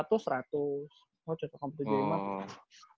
oh cocok hampir tujuh puluh lima